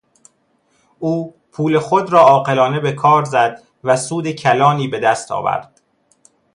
او پول خود را عاقلانه به کار زد و سود کلانی به دست آورد.